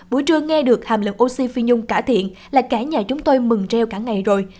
buổi trưa nghe được hàm lượng oxy phi nhung cải thiện là cả nhà chúng tôi mừng treo cả ngày rồi